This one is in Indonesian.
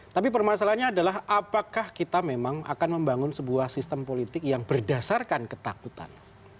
tapi permasalahannya adalah apakah kita memang akan membangun sebuah sistem politik yang berdasarkan ketakutan